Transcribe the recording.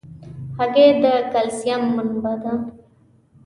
هګۍ د کلسیم منبع ده.